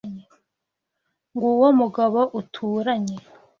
Nguwo umugabo uturanye.